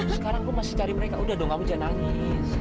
sekarang aku masih cari mereka udah dong kamu jangan nangis